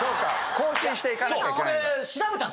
更新していかなきゃいけないんだ。